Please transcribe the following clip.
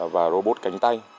và robot cánh tay